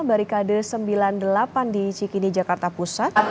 barikade sembilan puluh delapan di cikini jakarta pusat